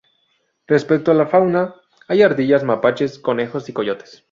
Respecto a la fauna, hay ardillas, mapaches, conejos y coyotes.